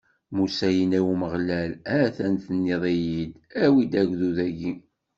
Musa yenna i Umeɣlal: A-t-an tenniḍ-iyi-d: Awi agdud-agi!